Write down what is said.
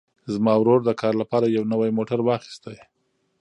زما ورور د کار لپاره یو نوی موټر واخیست.